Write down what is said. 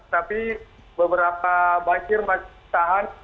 tapi beberapa banjir masih tahan